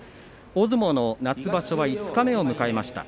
大相撲の夏場所は五日目を迎えました。